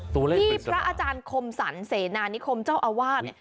ตัวแรกปริศนาที่พระอาจารย์คมสรรเสนานิคมเจ้าอาวาส